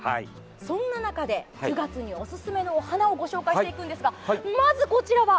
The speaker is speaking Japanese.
そんな中で９月におすすめのお花をご紹介していくんですがまず、こちらは？